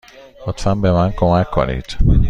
لطفا به من کمک کنید.